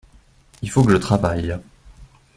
Il faut que je travaille.